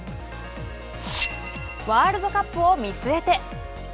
ワールドカップを見据えて。